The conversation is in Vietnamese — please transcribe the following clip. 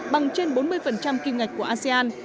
bằng trên bốn mươi kim ngạch của asean